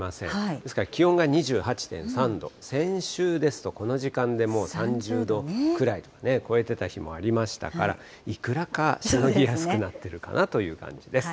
ですから気温が２８．３度、先週ですと、この時間でもう３０度くらいとね、超えてた日もありましたから、いくらかしのぎやすくなっているかなという感じです。